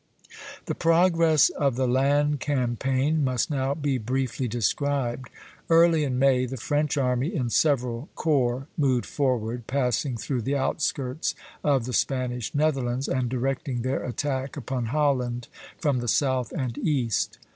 The progress of the land campaign must now be briefly described. Early in May the French army in several corps moved forward, passing through the outskirts of the Spanish Netherlands, and directing their attack upon Holland from the south and east.